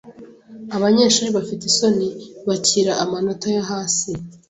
Abanyeshuri bafite isoni bakira amanota yo hasi